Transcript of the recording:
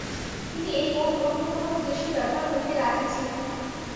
তিনি এই মন অন্য কোন উদ্দেশ্যে ব্যবহার করিতে রাজী ছিলেন না।